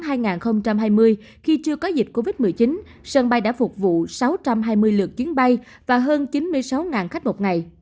trong thời gian dịch covid một mươi chín sân bay đã phục vụ sáu trăm hai mươi lượt chuyến bay và hơn chín mươi sáu khách một ngày